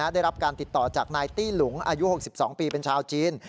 ได้รับการติดต่อจากนายตี้หลุงอายุ๖๒ปีเป็นชาวจีน